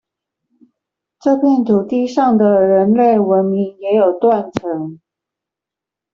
這片土地上的人類文明也有「斷層」